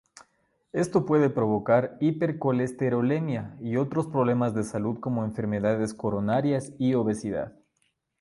Esto puede provocar hipercolesterolemia y otros problemas de salud como enfermedades coronarias y obesidad.